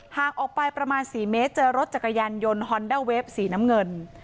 หากออกไปประมาณ๔เมตรเจอรถจักรยานยนต์ฮอนด้าเวฟสีน้ำเงิน